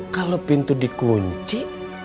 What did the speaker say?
kalau pintu dikunci